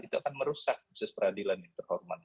itu akan merusak proses peradilan dan performa